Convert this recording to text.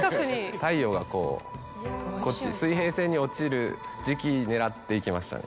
太陽がこう水平線に落ちる時期狙って行きましたね